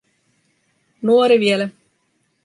Nuori vielä.